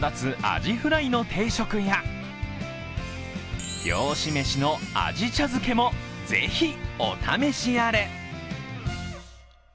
アジフライの定食や漁師メシのアジ茶漬けもぜひお試しあれ。